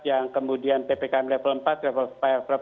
yang kemudian ppkm level empat sampai level tiga sekarang berhasil